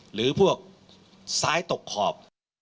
หรือพวกซ้ายตกขอบ